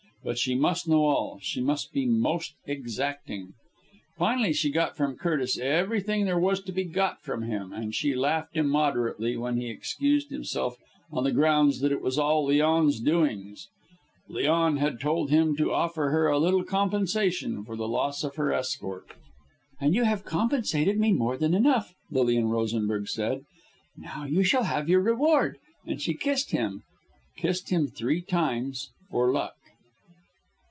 But she must know all. She must be most exacting. Finally, she got from Curtis everything there was to be got from him, and she laughed immoderately, when he excused himself on the grounds that it was all Leon's doings Leon had told him to offer her a little compensation for the loss of her escort. "And you have compensated me more than enough," Lilian Rosenberg said. "Now you shall have your reward," and she kissed him kissed him three times for luck.